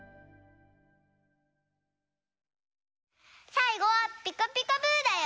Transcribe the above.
さいごは「ピカピカブ！」だよ。